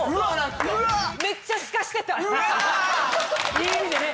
いい意味でね